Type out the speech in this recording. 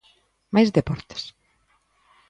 Máis deportes.